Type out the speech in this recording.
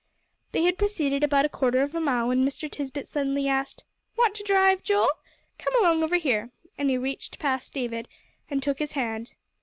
They had proceeded about a quarter of a mile, when Mr. Tisbett suddenly asked, "Want to drive, Joel? Come along over here," and he reached past David and took his hand.